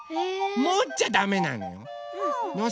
もっちゃダメなの。